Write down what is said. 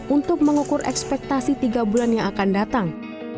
untuk mengukur ekspektasi tiga bulan yang akan datang